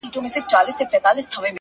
علم د تیارو رڼا ده!.